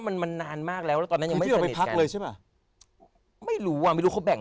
ไม่ได้ง่วงแล้วแบบหลักไปแล้ว